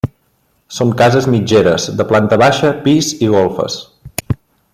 Són cases mitgeres, de planta baixa, pis i golfes.